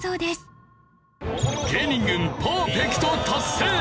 芸人軍パーフェクト達成！